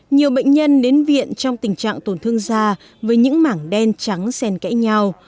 nhiều bệnh nhân đến viện trong tình trạng tổn thương da với những mảng đen trắng sen kẽ nhau